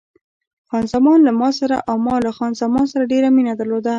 خان زمان له ما سره او ما له خان زمان سره ډېره مینه درلوده.